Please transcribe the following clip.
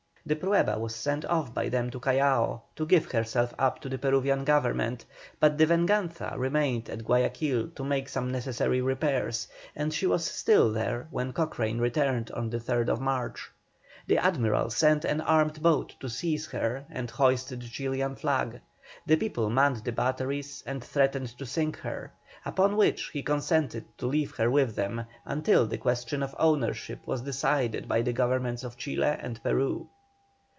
The Prueba was sent off by them to Callao to give herself up to the Peruvian Government, but the Venganza remained at Guayaquil to make some necessary repairs, and she was still there when Cochrane returned on the 3rd March. The Admiral sent an armed boat to seize her and hoist the Chilian flag; the people manned the batteries and threatened to sink her; upon which he consented to leave her with them, until the question of ownership was decided by the governments of Chile and Peru.